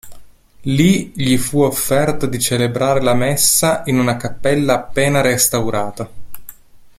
Lì gli fu offerto di celebrare la messa in una cappella appena restaurata.